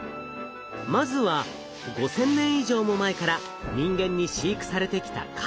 まずは５，０００年以上も前から人間に飼育されてきたカイコ。